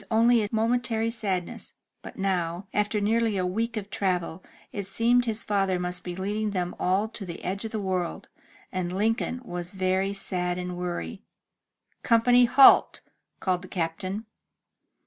183 MY BOOK HOUSE behind, with only a momentary sadness, but now, after nearly a week of travel, it seemed his father must be leading them all to the edge of the world, and Lincoln was very sad and weary. ''Company, halt!" called the Captain.